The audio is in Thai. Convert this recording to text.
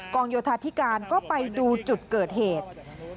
โยธาธิการก็ไปดูจุดเกิดเหตุ